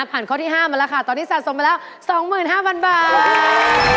ข้อที่๕มาแล้วค่ะตอนนี้สะสมไปแล้ว๒๕๐๐๐บาท